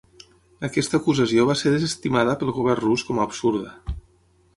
Aquesta acusació va ser desestimada pel govern rus com a "absurda".